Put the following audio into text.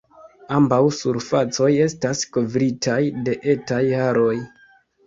Ambaŭ surfacoj estas kovritaj de etaj haroj.